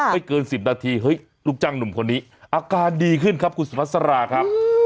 เกิน๑๐นาทีเฮ้ยลูกจ้างหนุ่มคนนี้อาการดีขึ้นครับคุณสุพัสราครับ